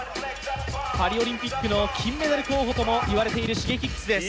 パリオリンピックの金メダル候補ともいわれているＳｈｉｇｅｋｉｘです。